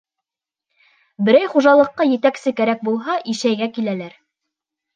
Берәй хужалыҡҡа етәксе кәрәк булһа, Ишәйгә киләләр.